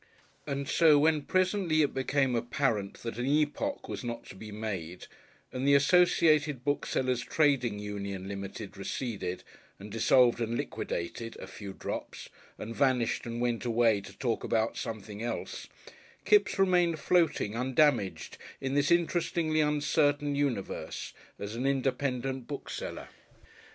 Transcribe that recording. And so when presently it became apparent that an epoch was not to be made, and the "Associated Booksellers' Trading Union (Limited)" receded and dissolved and liquidated (a few drops) and vanished and went away to talk about something else, Kipps remained floating undamaged in this interestingly uncertain universe as an independent bookseller.